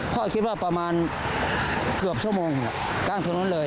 พ่อคิดว่าประมาณเกือบชั่วโมงกลางถนนเลย